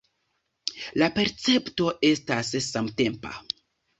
La percepto estas samtempa.